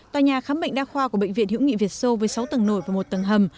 tòa nhà khám bệnh đa khoa của bệnh viện hữu nghị việt sâu với sáu tầng nổi và một tầng hầm